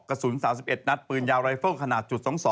กระสุน๓๑นัดปืนยาวไลฟล์ขนาด๒๒